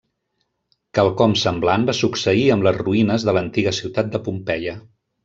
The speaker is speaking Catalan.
Quelcom semblant va succeir amb les ruïnes de l’antiga ciutat de Pompeia.